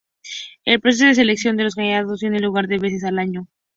El proceso de selección de los candidatos tiene lugar dos veces al año.